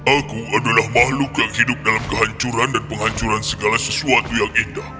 aku adalah makhluk yang hidup dalam kehancuran dan penghancuran segala sesuatu yang indah